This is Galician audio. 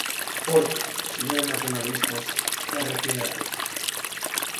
Porque, señores nacionalistas, erre que erre.